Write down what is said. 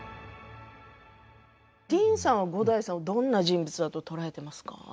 ディーンさんは五代さんをどんな人物だと捉えていますか？